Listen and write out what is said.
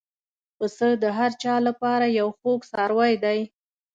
پسه د هر چا له پاره یو خوږ څاروی دی.